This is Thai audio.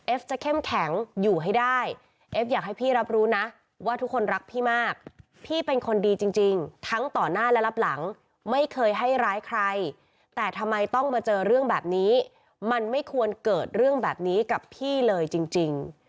จะเข้มแข็งอยู่ให้ได้เอฟอยากให้พี่รับรู้นะว่าทุกคนรักพี่มากพี่เป็นคนดีจริงทั้งต่อหน้าและรับหลังไม่เคยให้ร้ายใครแต่ทำไมต้องมาเจอเรื่องแบบนี้มันไม่ควรเกิดเรื่องแบบนี้กับพี่เลยจริง